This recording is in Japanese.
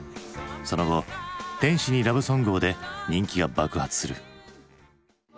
その後「天使にラブ・ソングを」で人気が爆発する。